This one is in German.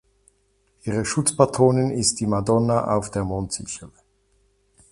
Ihre Schutzpatronin ist die Madonna auf der Mondsichel.